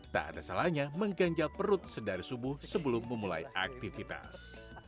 tak ada salahnya mengganjal perut sedari subuh sebelum memulai aktivitas